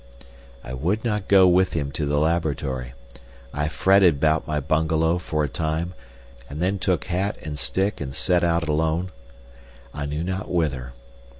I would not go with him to the laboratory. I fretted about my bungalow for a time, and then took hat and stick and set out alone, I knew not whither.